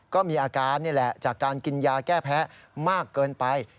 ก็มีอาการนี่แหละจากการกินยาแก้แพ้มากเกินไป